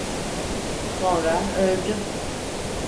Sonra öldü.